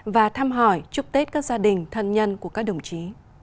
và thăm hỏi chúc tết các gia đình thân nhân của các đồng chí